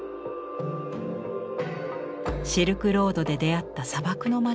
シルクロードで出会った砂漠の町でしょうか。